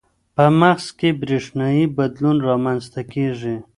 په مغز کې برېښنايي بدلون رامنځته کېږي.